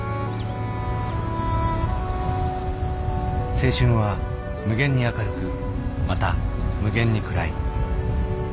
青春は無限に明るくまた無限に暗い。